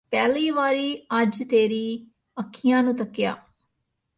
ਪਹਿਲੀ ਵਾਰੀ ਅਜ ਤੇਰੀ ਅੱਖੀਆਂ ਨੂੰ ਤੱਕਿਆ